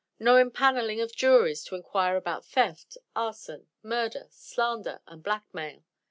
No empanelling of juries to inquire into theft, arson, murder, slander, and black mail.